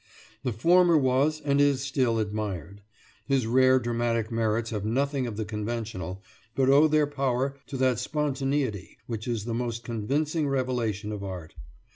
The former was and is still admired. His rare dramatic merits have nothing of the conventional, but owe their power to that spontaneity which is the most convincing revelation of art.